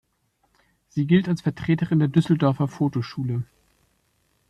Sie gilt als Vertreterin der Düsseldorfer Fotoschule.